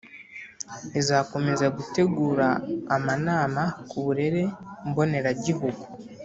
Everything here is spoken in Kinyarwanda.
izakomeza gutegura amanama ku burere mboneragihugu